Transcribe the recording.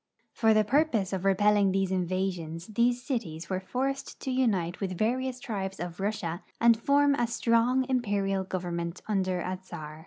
For the BCSSIA IX EUROPE 17 purpose of repellinp; these invasions these cities were forced to unite with various tribes of Russia and form a strong imperial government under a czar.